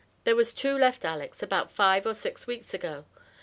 there was two left alex about five or six weeks ago.